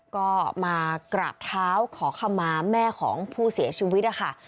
ก็มากราบเท้าขอคำมาแม่ของผู้เสียชีวิตนะคะ